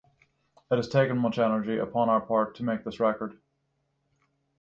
It has taken much energy upon our part to make this record.